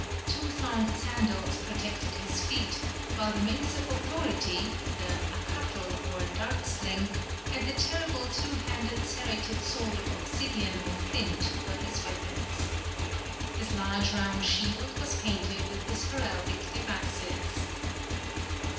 Two thonged sandals protected his feet, while the mace of authority, the acatl or dart sling, and the terrible two handed serrated sword of obsidian or flint were his weapons. His large round shield was painted with his heraldic devices."